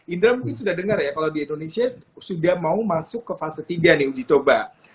indra mungkin sudah dengar ya kalau di indonesia sudah mau masuk ke fase tiga nih uji coba